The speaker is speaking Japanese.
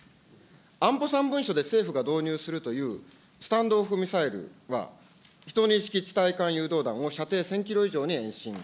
安保３文書で政府が導入するというスタンド・オフ・ミサイルは、１２式地対艦誘導弾を射程１０００キロ以上に延伸。